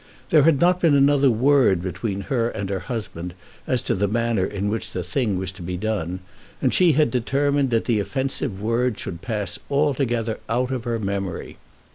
There had not been another word between her and her husband as to the manner in which the thing was to be done, and she had determined that the offensive word should pass altogether out of her memory.